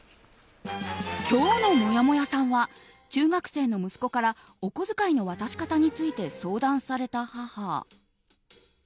今日のもやもやさんは中学生の息子からお小遣いの渡し方について相談された母。